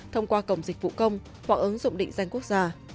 thông qua cổng dịch vụ công hoặc ứng dụng định danh quốc gia